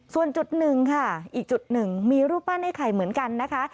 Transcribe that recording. ส่วนจุดหนึ่งค่ะอีกจุดหนึ่งมีรูปปั้นไอ้ไข่เหมือนกันนะคะ